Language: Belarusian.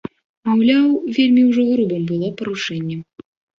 Маўляў, вельмі ўжо грубым было парушэнне.